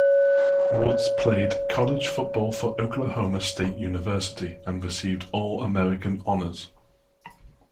Woods played college football for Oklahoma State University, and received All-American honors.